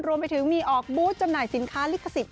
รวมไปถึงมีออกบูธจำหน่ายสินค้าลิขสิทธิ